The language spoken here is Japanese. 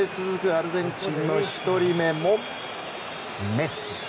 アルゼンチンの１人目はメッシ！